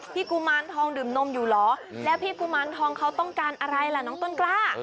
กุมารทองดื่มนมอยู่เหรอแล้วพี่กุมารทองเขาต้องการอะไรล่ะน้องต้นกล้า